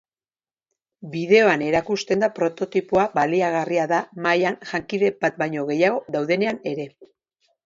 Bideoan erakusten da prototipoa baliagarria da mahaian jankide bat baino gehiago daudenean ere.